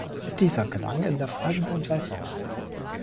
Dieser gelang in der folgenden Saison.